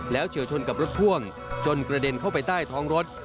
เฉียวชนกับรถพ่วงจนกระเด็นเข้าไปใต้ท้องรถ